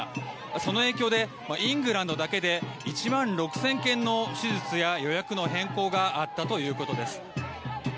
その影響でイングランドだけで１万６０００件の手術や予約の変更があったということです。